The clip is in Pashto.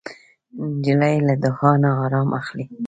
نجلۍ له دعا نه ارام اخلي.